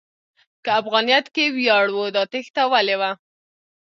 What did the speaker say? که افغانیت کې ویاړ و، دا تېښته ولې وه؟